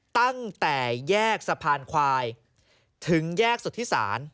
ตั้งแต่แยกสะพานควายถึงแยกสุธิศาล